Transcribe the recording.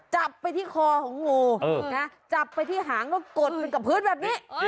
จับไปที่คอของงูนะจับไปที่หางแล้วกดไปกับพื้นแบบนี้